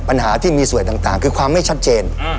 ปัญหาที่มีส่วนต่างคือความไม่ชัดเจน